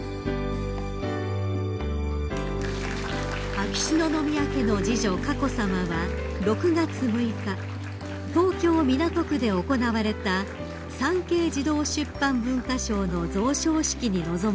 ［秋篠宮家の次女佳子さまは６月６日東京港区で行われた産経児童出版文化賞の贈賞式に臨まれました］